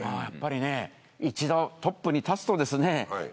やっぱりね一度トップに立つとですね